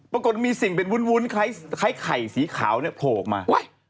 ปรากฏมีสิ่งเป็นวุ้นคล้ายไข่สีขาวเนี่ยโผล่ออกมา